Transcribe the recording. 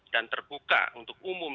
dan terbuka untuk umum